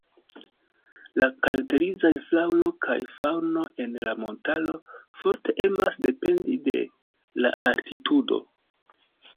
La karakterizaj flaŭro kaj faŭno en la montaro forte emas dependi de la altitudo.